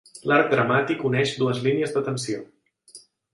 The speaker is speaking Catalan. L'arc dramàtic uneix dues línies de tensió.